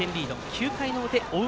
９回の表追う